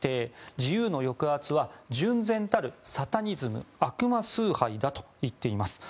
自由の抑圧は純然たるサタニズム悪魔崇拝だと言っています。